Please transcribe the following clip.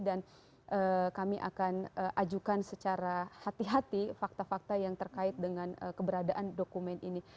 dan kami akan ajukan secara hati hati fakta fakta yang terkait dengan keberadaan dokumen ini